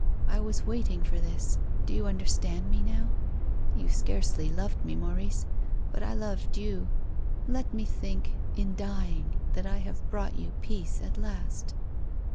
I was waiting for this. Do you understand me now ? You scarcely loved me, Maurice. But I loved you. Let me think — in dying — that I have brought you peace at last."